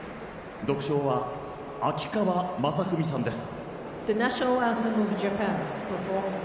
独唱は、秋川雅史さんです。